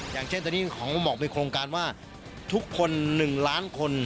อย่างเช่นตอนนี้ขอบอกเป็นโครงการว่าทุกคน๑ล้านคน